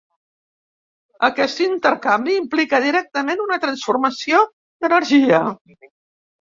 Aquest intercanvi implica directament una transformació d'energia.